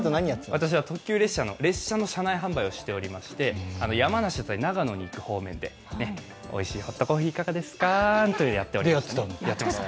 私は特急列車の車内販売をしておりまして山梨だったり長野に行く方面でおいしいホットコーヒーいかがですかなんてやっていたんです。